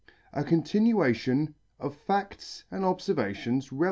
' A CONTINUATION OF FACTS AND OBSERVATIONS, &c.